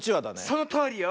そのとおりよ。